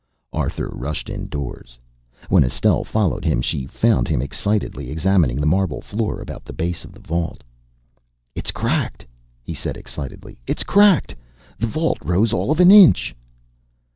Arthur rushed indoors. When Estelle followed him she found him excitedly examining the marble floor about the base of the vault. "It's cracked," he said excitedly. "It's cracked! The vault rose all of an inch!"